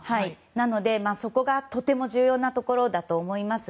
そこがとても重要なところだと思います。